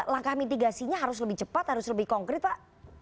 langkah mitigasinya harus lebih cepat harus lebih konkret pak